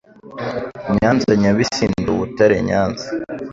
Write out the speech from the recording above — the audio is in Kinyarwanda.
Nyanza Nyabisindu Butare Nyanza